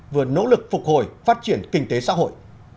vừa nỗ lực phục hồi phát triển kinh tế xã hội